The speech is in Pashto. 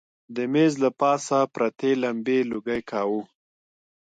د مېز له پاسه پرتې لمبې لوګی کاوه.